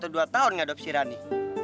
dua tahun ngeadopsi rani